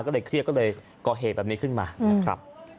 ก็เลยเครียดก็เลยก่อเหตุแบบนี้ขึ้นมานะครับ